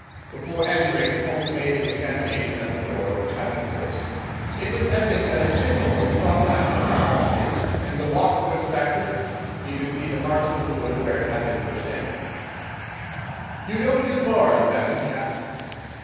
Before entering, Holmes made an examination of the door which had been forced. It was evident that a chisel or strong knife had been thrust in, and the lock forced back with it. We could see the marks in the wood where it had been pushed in. "You don't use bars, then?" he asked.